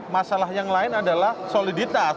masalah yang lain adalah soliditas